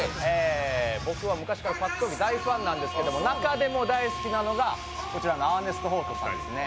僕は昔から格闘技、大ファンなんですけど、中でも大好きなのがこちらのアーネスト・ホーストさんです。